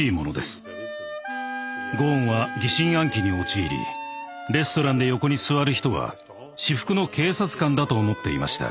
ゴーンは疑心暗鬼に陥りレストランで横に座る人は私服の警察官だと思っていました。